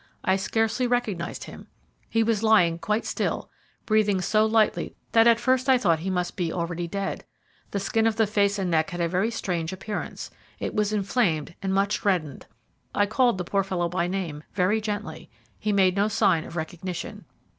I scarcely recognized him. He was lying quite still, breathing so lightly that at first I thought he must be already dead. The skin of the face and neck had a very strange appearance. It was inflamed and much reddened. I called the poor fellow by name very gently. He made no sign of recognition.